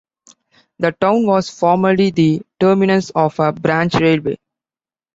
The town was formally the terminus of a branch railway.